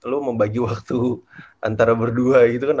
lu mau bagi waktu antara berdua gitu kan